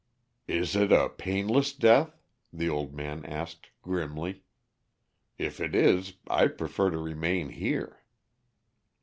"Is it a painless death?" the old man asked grimly. "If it is, I prefer to remain here."